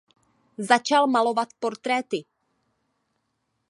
Začal malovat portréty.